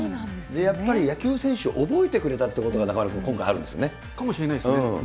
やっぱり野球選手、覚えてくれたっていうことが中丸君、今回あるかもしれないですね。